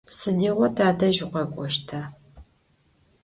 Sıdiğo tadej vukhek'oşta?